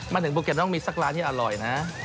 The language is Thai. มาถึงภูเก็ตต้องมีสักร้านที่อร่อยนะ